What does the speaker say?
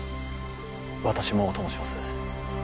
私もお供します。